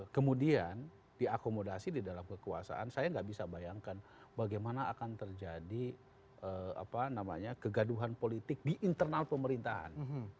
kemudian diakomodasi di dalam kekuasaan saya nggak bisa bayangkan bagaimana akan terjadi kegaduhan politik di internal pemerintahan